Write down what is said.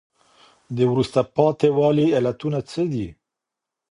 د وروسته پاتي والي علتونه څه دي؟